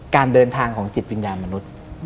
การเดินทางของจิตวิญญาณมนุษย์